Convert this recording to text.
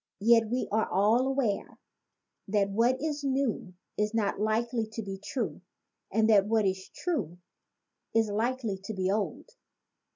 Yet we are all aware that what is new is not likely to be true and that what is true is likely to be old.